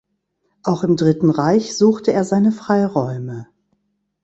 Auch im Dritten Reich suchte er seine Freiräume.